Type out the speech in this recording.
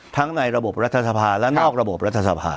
ในระบบรัฐสภาและนอกระบบรัฐสภา